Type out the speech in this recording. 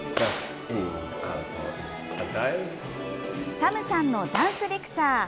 ＳＡＭ さんのダンスレクチャー。